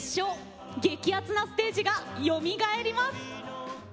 激アツなステージがよみがえります。